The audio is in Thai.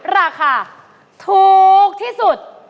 ราคาถูกที่สุด